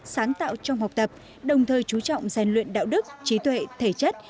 sáng tạo trong học tập đồng thời chú trọng gian luyện đạo đức trí tuệ thể chất